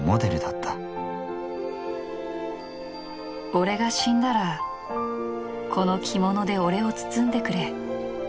「俺が死んだらこの着物で俺を包んでくれ」。